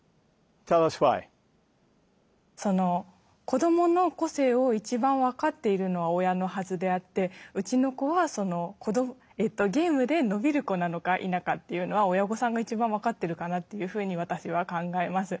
子供の個性を一番分かっているのは親のはずであってうちの子はゲームで伸びる子なのか否かっていうのは親御さんが一番分かってるかなっていうふうに私は考えます。